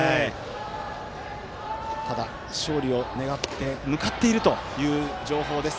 ただ、勝利を願って迎っているという状況です。